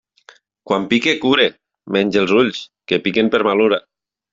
Quan pica cura, menys els ulls, que piquen per malura.